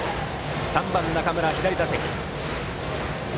３番の中村、左打席。